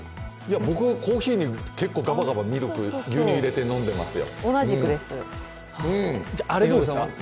僕、コーヒーに結構ガバガバ牛乳入れていますよ。